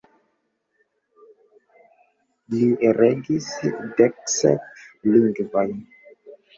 Li regis deksep lingvojn.